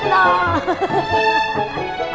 ini bunga dari al